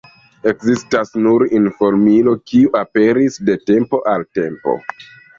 Ekzistas nur informilo, kiu aperis de de tempo al tempo.